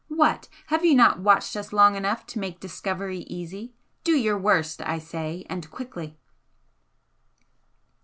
What! Have you not watched us long enough to make discovery easy? Do your worst, I say, and quickly!"